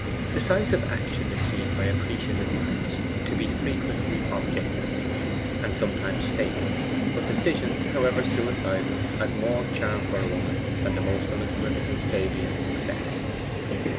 Decisive action is seen by appreciative minds to be frequently objectless, and sometimes fatal; but decision, however suicidal, has more charm for a woman than the most unequivocal Fabian success.